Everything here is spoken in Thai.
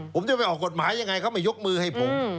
ผมจะไปออกกฎหมายยังไงเขาไม่ยกมือให้ผม